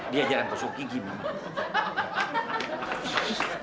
biar aku suka gigi mbak